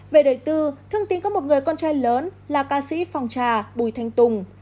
về đời tư thương tín có một người con trai lớn là ca sĩ phong tra bùi thanh tùng